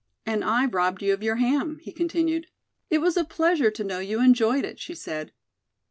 "And I've robbed you of your ham," he continued. "It was a pleasure to know you enjoyed it," she said.